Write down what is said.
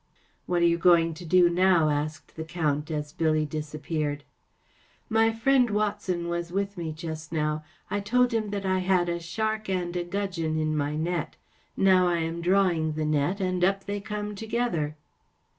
" What are you going to do now ?" asked the Count, as Billy disappeared. “ My friend Watson was with me just now. I told him that I had a shark and a gudgeon in my net; now I am drawing the net and up they copie together."